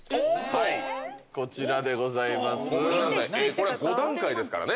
これは５段階ですからね。